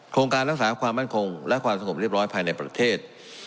การรักษาความมั่นคงและความสงบเรียบร้อยภายในประเทศ